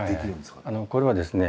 これはですね